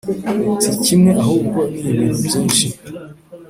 si kimwe ahubwo nibintu byinshi